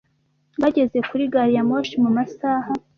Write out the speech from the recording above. Bageze kuri gari ya moshi mu masaha